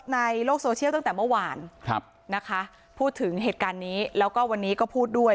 นะคะพูดถึงเหตุการณ์นี้แล้วก็วันนี้ก็พูดด้วย